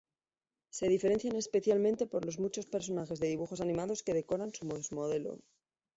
Se diferencian especialmente por los muchos personajes de dibujos animados que decoran sus modelo.